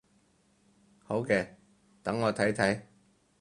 好嘅，等我睇睇